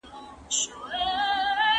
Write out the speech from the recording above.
هغوی له تاریخ او عقیدې سره ډزې کولې.